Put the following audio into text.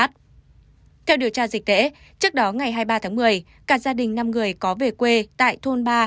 theo điều tra dịch tễ trước đó ngày hai mươi ba tháng một mươi cả gia đình năm người có về quê tại thôn ba